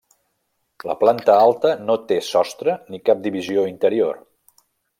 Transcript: La planta alta no té sostre ni cap divisió interior.